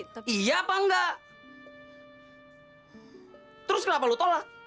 terus kenapa lo tolak